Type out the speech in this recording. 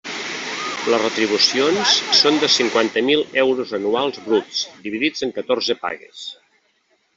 Les retribucions són de cinquanta mil euros anuals bruts, dividits en catorze pagues.